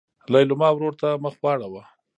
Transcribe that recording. لېلما ورور ته مخ واړوه.